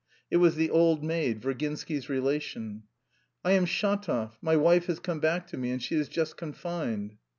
It was the old maid, Virginsky's relation. "I am Shatov, my wife has come back to me and she is just confined...."